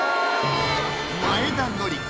前田典子